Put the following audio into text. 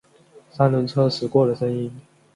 三轮车驶过的声音